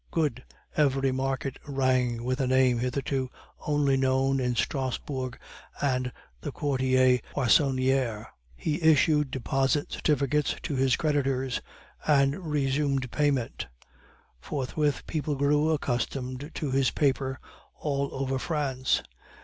Good! Every market rang with a name hitherto only known in Strasbourg and the Quartier Poissonniere. He issued deposit certificates to his creditors, and resumed payment; forthwith people grew accustomed to his paper all over France.